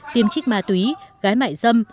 tiêm trích ma túy gái mại dâm